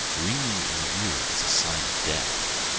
Ringing in the ears is a sign of death.